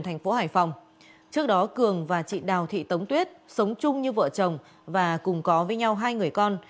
trước đó cường và chị đào thị tống tuyết sống chung như vợ chồng và cùng có với nhau hai người con